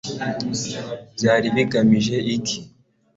byari bigamije iki